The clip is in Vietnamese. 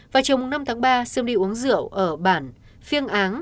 vào chiều năm tháng ba sương đi uống rượu ở bản phiêng áng